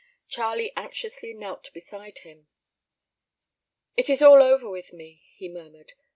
Charlie anxiously knelt beside him. "It is all over with me," he murmured.